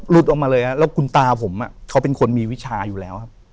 รุดออกมาเลยแล้วคุณตาผมเป็นคนมีวิชาอยู่แล้วครับ